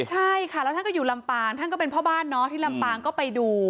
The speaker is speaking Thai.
ใช่ค่ะแล้วท่านก็อยู่ลำปางท่านก็เป็นพ่อบ้านเนาะที่ลำปางก็ไปดู